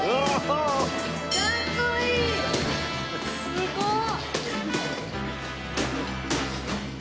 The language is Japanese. すごっ！